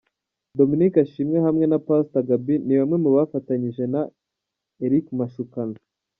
Dominic Ashimwe hamwe na Pastor Gaby ni bamwe mu bifatanyije na Eric Mashukano.